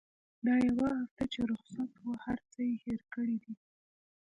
دا يوه هفته چې رخصت وه هرڅه يې هېر کړي دي.